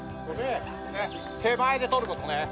手前で取る事ね。